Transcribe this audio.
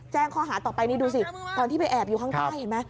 ข้อหาต่อไปนี่ดูสิตอนที่ไปแอบอยู่ข้างใต้เห็นไหม